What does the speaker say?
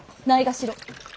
ないがしろ。